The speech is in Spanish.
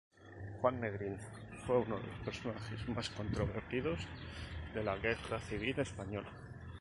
Juan Negrín fue uno de los personajes más controvertidos de la Guerra Civil Española.